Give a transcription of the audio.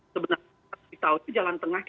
sebenarnya kita tahu itu jalan tengah